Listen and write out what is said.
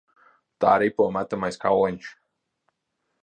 Tā ripo metamais kauliņš.